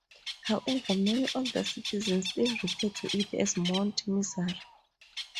However, many older citizens still refer to it as Mount Misery.